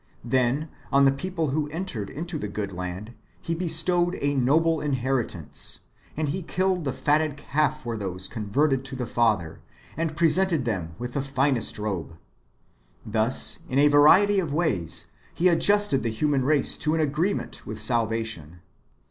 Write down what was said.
Then, on the people who en tered into the good land He bestowed a noble inheritance ; and He killed the fatted calf for those converted to the Father, and presented them with the finest robe.^ Thus, in a variety of ways, He adjusted the human race to an agree ment with salvation.